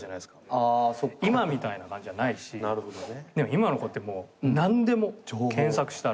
今の子ってもう何でも検索したら。